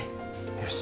よし！